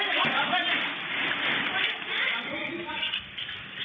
กล้องจรดีน้องอุ๊ยอุ๊ย